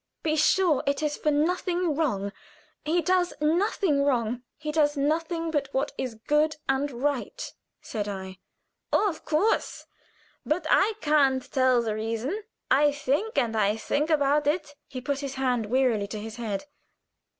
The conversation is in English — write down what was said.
"Be sure it is for nothing wrong. He does nothing wrong. He does nothing but what is good and right," said I. "Oh, of course! But I can't tell the reason. I think and think about it." He put his hand wearily to his head.